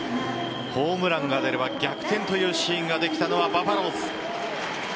ホームランが出れば逆転というシーンができたのはバファローズ。